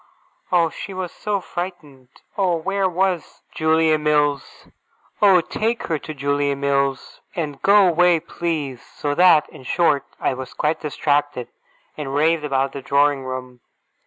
Oh, she was so frightened! Oh, where was Julia Mills! Oh, take her to Julia Mills, and go away, please! So that, in short, I was quite distracted, and raved about the drawing room.